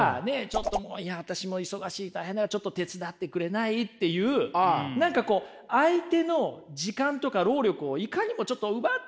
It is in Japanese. ちょっともういや私も忙しい大変だからちょっと手伝ってくれない？っていう何かこう相手の時間とか労力をいかにもちょっと奪ってしまうような頼み方。